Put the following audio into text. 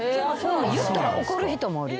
言ったら怒る人もおる。